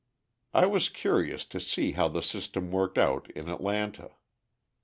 I was curious to see how the system worked out in Atlanta.